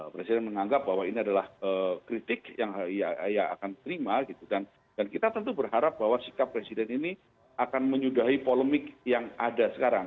presiden menganggap bahwa ini adalah kritik yang ia akan terima gitu kan dan kita tentu berharap bahwa sikap presiden ini akan menyudahi polemik yang ada sekarang